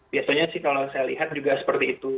biasanya sih kalau saya lihat juga seperti itu